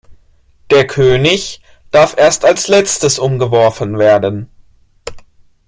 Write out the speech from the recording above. Der König darf erst als letztes umgeworfen werden.